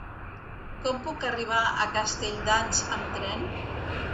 Com puc arribar a Castelldans amb tren?